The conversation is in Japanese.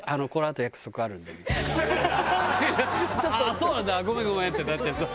「そうなんだごめんごめん」ってなっちゃいそう。